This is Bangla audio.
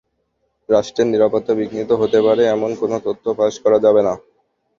রাষ্ট্রের নিরাপত্তা বিঘ্নিত হতে পারে—এমন কোনো তথ্য ফাঁস করা যাবে না।